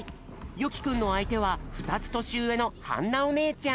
よきくんのあいては２つとしうえのはんなおねえちゃん。